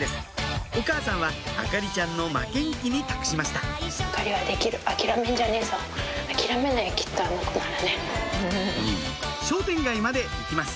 お母さんは燈里ちゃんの負けん気に託しました商店街まで行きます